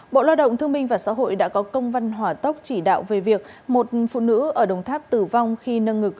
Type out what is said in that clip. bộ lao động thương minh và xã hội đã có công văn hỏa tốc chỉ đạo về việc một phụ nữ ở đồng tháp tử vong khi nâng ngực